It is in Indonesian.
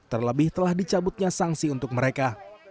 terlebih telah dicabutnya sanksi untuk mereka